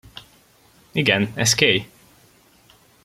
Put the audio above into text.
Igen, ez Kay!